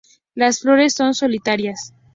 Las flores son solitarias.